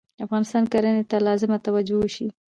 افغانستان کرهنې ته لازمه توجه وشي